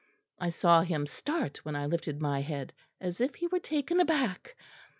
I saw him start when I lifted my head, as if he were taken aback.